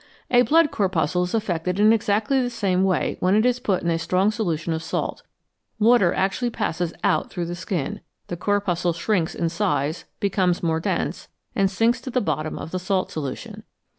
A blood corpuscle is affected in exactly the same way when it is put in a strong solution of salt ; water actually passes out through the skin, the corpuscle shrinks in size, becomes more dense, and sinks to the bottom of the salt solution.